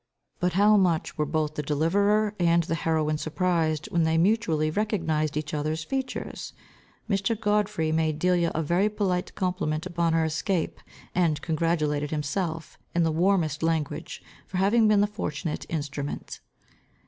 But how much were both the deliverer and the heroine surprised, when they mutually recognised each others features! Mr. Godfrey made Delia a very polite compliment upon her escape, and congratulated himself, in the warmest language, for having been the fortunate instrument.